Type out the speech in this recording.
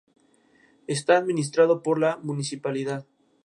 Está administrado por la municipalidad.